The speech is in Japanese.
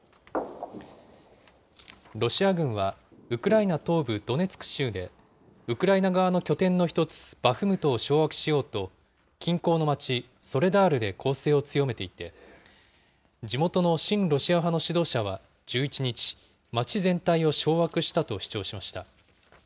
ロシア軍は、ウクライナ東部ドネツク州で、ウクライナ側の拠点の一つ、バフムトを掌握しようと、近郊の町、ソレダールで攻勢を強めていて、地元の親ロシア派の指導者は１１日、町全体を掌握したと主張しました。